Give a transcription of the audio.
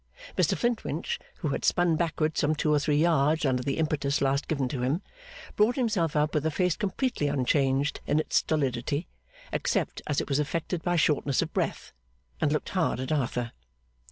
Mr Flintwinch, who had spun backward some two or three yards under the impetus last given to him, brought himself up with a face completely unchanged in its stolidity except as it was affected by shortness of breath, and looked hard at Arthur.